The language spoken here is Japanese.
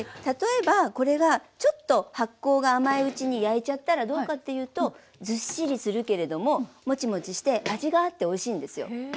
例えばこれがちょっと発酵が甘いうちに焼いちゃったらどうかっていうとずっしりするけれどもモチモチして味があっておいしいんですよ。